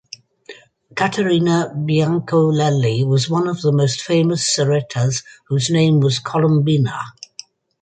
Caterina Biancolelli was one of the most famous serettas whose name was Colombina.